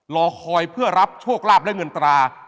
รอคอยเพื่อรับโชคลาภและเงินตรา